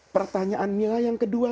pertanyaan milah yang kedua